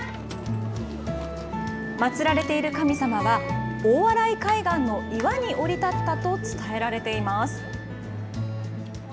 祭られている神様は、大洗海岸の岩に降り立ったと伝えられています。